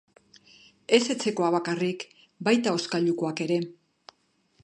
Ez etxekoak bakarrik, baita hozkailukoak ere.